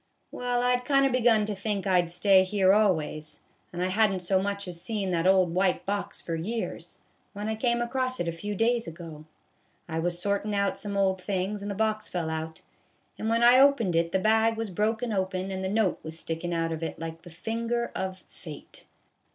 Well, I 'd kind of begun to think I 'd stay here always, and I had n't so much as seen that old white box for years, when I come across it a few days ago. I was sortin' out some old things, and the box fell out, and when I opened it the bag was broken open, and the note was stickin' out of it like the finger of fate.